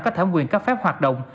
có thẩm quyền cấp phép hoạt động